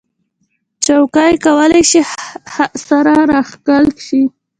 چوکۍ کولی شي سره راښکل شي.